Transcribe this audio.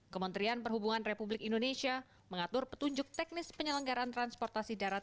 kementerian perhubungan republik indonesia mengatur petunjuk teknis penyelenggaraan transportasi darat